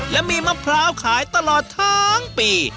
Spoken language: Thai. และมีมะพร้าวขายตลอดทั้งปี